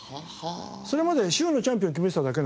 それまで週のチャンピオン決めてただけなのに。